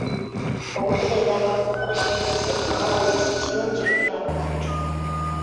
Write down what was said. Okubeera n'obukulembeze obukozi kirungi eri abantu.